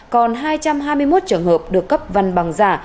còn hai trăm hai mươi một trường hợp được cấp văn bằng giả